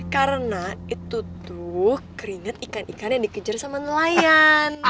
karena itu tuh keringet ikan ikan yang dikejar sama nelayan